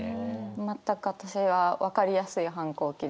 全く私は分かりやすい反抗期で。